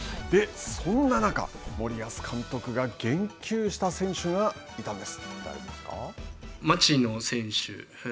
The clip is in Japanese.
そんな中、森保監督が言及した選手がいたんです。